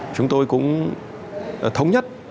chúng tôi cũng thống nhất